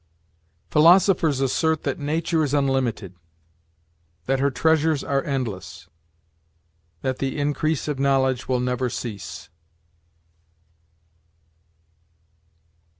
"Philosophers assert that Nature is unlimited; that her treasures are endless; that the increase of knowledge will never cease."